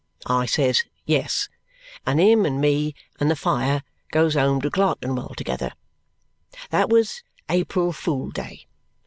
I says 'Yes,' and him and me and the fire goes home to Clerkenwell together. That was April Fool Day.